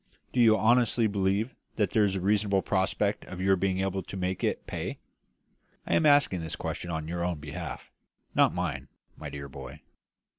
Do you honestly believe that there is a reasonable prospect of your being able to make it pay? I am asking this question on your own behalf, not mine, my dear boy.